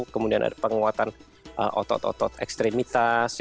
kemudian ada penguatan otot otot ekstremitas